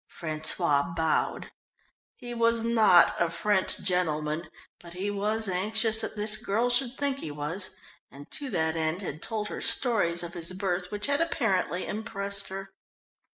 François bowed. He was not a French gentleman, but he was anxious that this girl should think he was, and to that end had told her stories of his birth which had apparently impressed her.